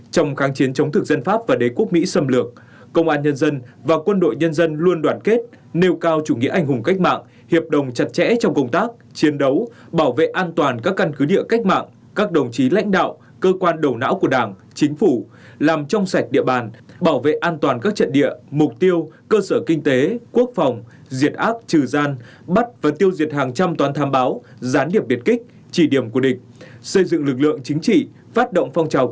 trong kháng chiến chống thực dân pháp và đế quốc mỹ xâm lược công an nhân dân và quân đội nhân dân luôn đoàn kết nêu cao chủ nghĩa ảnh hùng cách mạng hiệp đồng chặt chẽ trong công tác chiến đấu bảo vệ an toàn các căn cứ địa cách mạng các đồng chí lãnh đạo cơ quan đầu não của đảng chính phủ làm trong sạch địa bàn bảo vệ an toàn các trận địa mục tiêu cơ sở kinh tế quốc phòng diệt ác trừ gian bắt và tiêu diệt hàng trăm toàn tham báo gián điệp biệt kích chỉ điểm của địch xây dựng lực lượng chính tr